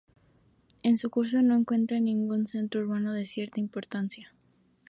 En su curso no encuentra ningún centro urbano de cierta importancia.